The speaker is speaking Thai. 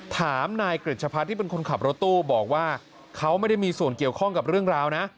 ถามนายกริจชะพัฒน์ที่เป็นคนขับรถตู้บอกว่าเขาไม่ได้มีส่วนเกี่ยวข้องกับเรื่องราวนะ